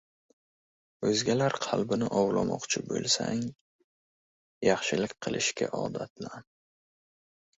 — O‘zgalar qalbini ovlamoqchi bo‘lsang, yaxshilik qilishga odatlan.